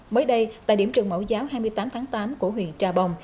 mới đây tại điểm trường mẫu giáo hai mươi tám tháng tám của huyện trà bồng